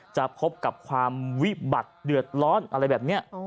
จะพบกับความวิบัติเดือดร้อนอะไรแบบนี้